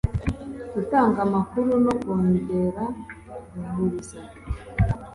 gutanga amakuru no kongera guhuruza